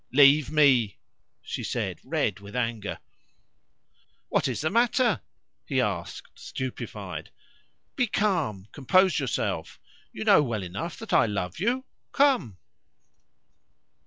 "Leave me!" she said, red with anger. "What is the matter?" he asked, stupefied. "Be calm; compose yourself. You know well enough that I love you. Come!"